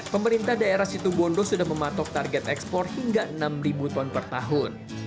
pemerintah daerah situbondo sudah mematok target ekspor hingga enam ton per tahun